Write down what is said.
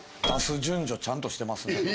出す順序ちゃんとしていますね。